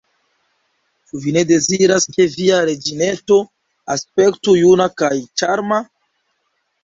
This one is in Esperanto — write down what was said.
Ĉu Vi ne deziras, ke Via reĝineto aspektu juna kaj ĉarma?